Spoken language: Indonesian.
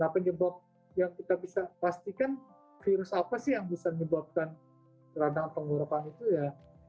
nah penyebab yang kita bisa pastikan virus apa sih yang bisa menyebabkan radang tenggorokan itu ya